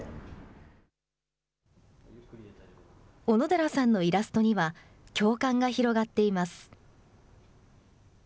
小野寺さんのイラストには、共感が広がっています。